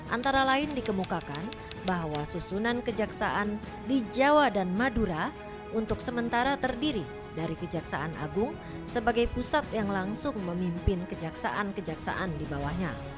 antara lain dikemukakan bahwa susunan kejaksaan di jawa dan madura untuk sementara terdiri dari kejaksaan agung sebagai pusat yang langsung memimpin kejaksaan kejaksaan di bawahnya